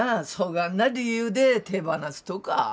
がんな理由で手放すとか？